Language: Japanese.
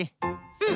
うん。